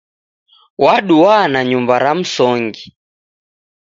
Waduwa na nyumba ra msongi.